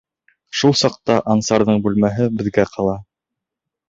Шул саҡта Ансарҙың бүлмәһе беҙгә ҡала.